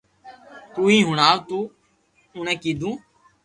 تو ھي ھڻاو تو اوڻي ڪيدو